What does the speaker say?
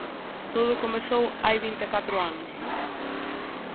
Todo comezou hai vinte e catro anos.